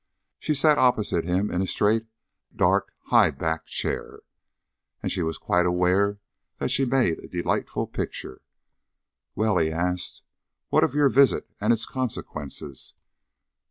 She sat opposite him in a straight dark high backed chair, and she was quite aware that she made a delightful picture. "Well?" he asked. "What of your visit and its consequences?"